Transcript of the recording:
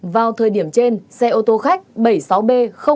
vào thời điểm trên xe ô tô khách bảy mươi sáu b sáu b